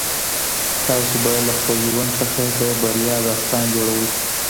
تاسو به له خپل ژوند څخه د بریا داستان جوړوئ.